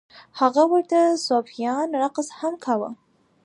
هغه ورته صوفیانه رقص هم کاوه.